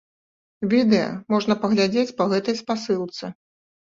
Відэа можна паглядзець па гэтай спасылцы.